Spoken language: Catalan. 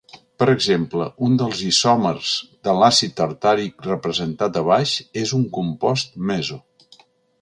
Per exemple, un dels isòmers de l'àcid tartàric representat a baix és un compost meso.